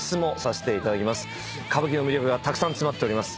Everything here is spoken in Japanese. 歌舞伎の魅力が詰まっております